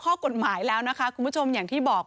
ข้อกฎหมายแล้วนะคะคุณผู้ชมอย่างที่บอก